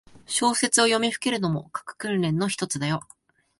小説を読みふけるのも、書く訓練のひとつだよ。